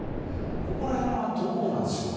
ここら辺はどうなんでしょうか。